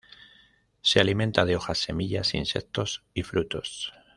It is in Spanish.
Se alimenta de hojas, semillas, insectos y frutos.